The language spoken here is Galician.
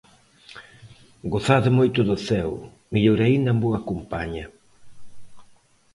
Gozade moito do ceo, mellor aínda en boa compaña.